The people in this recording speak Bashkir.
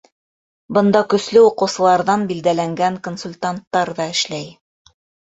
Бында көслө уҡыусыларҙан билдәләнгән консультанттар ҙа эшләй.